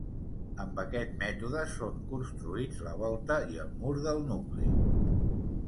Amb aquest mètode són construïts la volta i el mur del nucli.